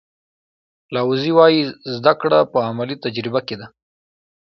لاوزي وایي زده کړه په عملي تجربه کې ده.